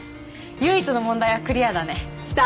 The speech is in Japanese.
唯一の問題はクリアだねした